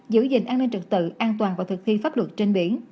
giữ gìn an ninh trực tự an toàn và thực thi pháp luật trên biển